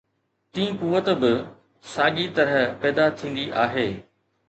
ٽين قوت به ساڳيءَ طرح پيدا ٿيندي آهي.